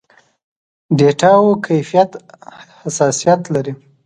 ډېټاوو کيفيت حساسيت لري.